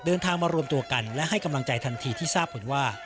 เดินทางมารวมตัวกันและให้กำลังใจทันทีที่ทราบผลว่า